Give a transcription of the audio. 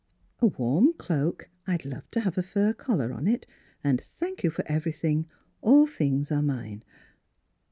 A warm cloak — I'd love to have a fur collar on it. And thank you for ev erything. All things are mine